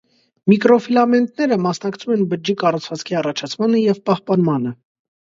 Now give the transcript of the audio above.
Միկրոֆիլամենտները մասնակցում են բջջի կառուցվածքի առաջացմանը և պահպանմանը։